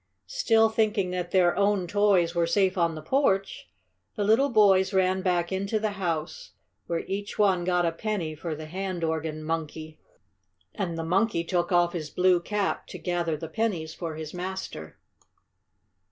Still thinking that their own toys were safe on the porch, the little boys ran back into the house, where each one got a penny for the hand organ monkey. And the monkey took off his blue cap to gather the pennies for his master.